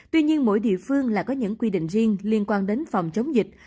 tuy nhiên mỗi địa phương lại có những quy định riêng liên quan đến phòng chống dịch